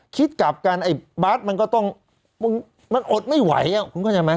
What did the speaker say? คิดกลับกันไอ้บาสมันก็ต้องมันอดไม่ไหวอ่ะคุณเข้าใจไหม